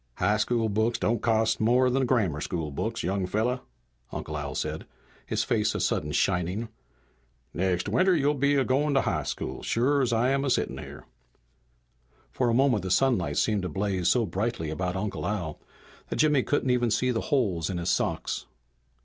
"High school books don't cost no more than grammar school books, young fella," Uncle Al said, his face a sudden shining. "Next winter you'll be a goin' to high school, sure as I'm a sittin' here!" For a moment the sunlight seemed to blaze so brightly about Uncle Al that Jimmy couldn't even see the holes in his socks.